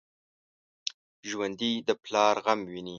ژوندي د پلار غم ویني